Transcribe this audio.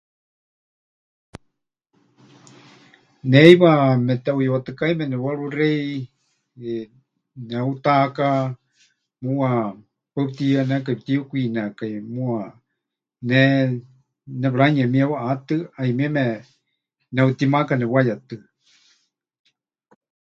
Ne heiwa meteʼuyuatɨkaime nepɨwaruxei, eh, neheutahaka, muuwa paɨ pɨtiyɨanékai, pɨtiyúkwinekai muuwa, ne nepɨranuyemie waʼaatɨ, ˀayumieme neʼutimaaka nepɨwayetɨa.